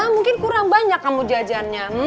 mungkin kurang banyak kamu jajannya